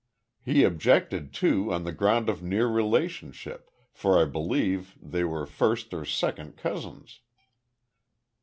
He objected too, on the ground of near relationship, for I believe they were first or second cousins."